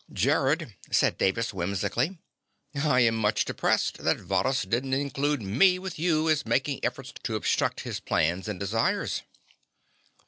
"Gerrod," said Davis whimsically, "I am much depressed that Varrhus didn't include me with you as making efforts to obstruct his plans and desires."